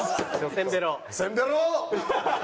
せんべろ！